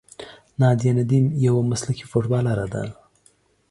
نادیه ندیم یوه مسلکي فوټبالره ده.